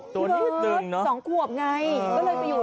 ตัวนี้สองกวบไง